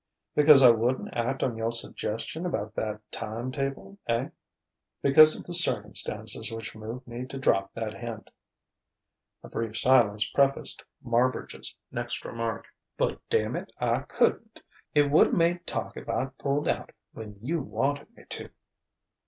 "Because I wouldn't act on your suggestion about that time table, eh?" "Because of the circumstances which moved me to drop that hint." A brief silence prefaced Marbridge's next remark: "But damn it! I couldn't. It would've made talk if I'd pulled out when you wanted me to."